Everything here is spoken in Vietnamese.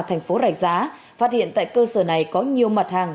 thành phố rạch giá phát hiện tại cơ sở này có nhiều mặt hàng